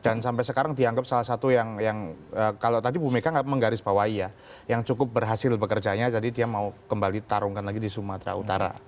sampai sekarang dianggap salah satu yang kalau tadi bu mega nggak menggarisbawahi ya yang cukup berhasil bekerjanya jadi dia mau kembali tarungkan lagi di sumatera utara